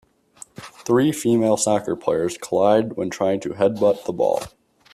Three female soccer players collide when trying to headbutt the ball